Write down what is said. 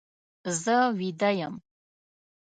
زه ویده یم.